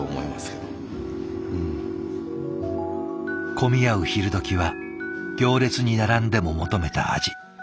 混み合う昼どきは行列に並んでも求めた味。